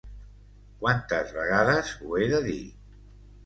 Quantes vegades ho he de dir!